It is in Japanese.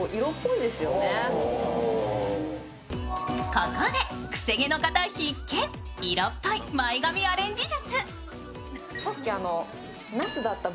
ここで癖毛の方、必見色っぽい前髪アレンジ術。